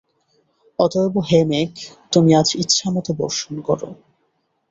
অতএব হে মেঘ, তুমি আজ ইচ্ছামত বর্ষণ কর।